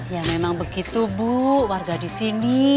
ya memang begitu bu warga disini